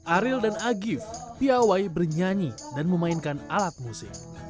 ariel dan agif piawai bernyanyi dan memainkan alat musik